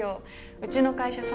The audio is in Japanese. うちの会社さ